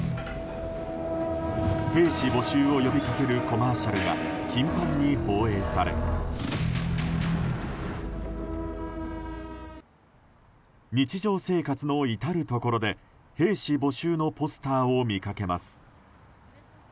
兵士募集を呼びかけるコマーシャルが、頻繁に放映され日常生活の至るところで兵士募集のポスターを見かけます。